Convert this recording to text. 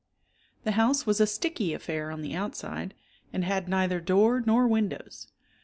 The house was a sticky affair on the outside and had neither door nor windows.